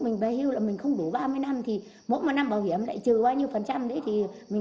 mà bao nhiêu năm cống hiến là mình chưa được chế độ gì